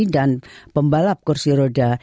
dan pembalap kursi roda